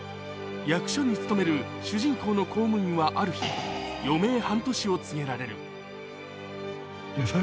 役所に勤める主人公の公務員はある日、余命半年を告げられる。